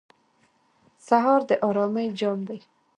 سهار د آرامۍ جام دی.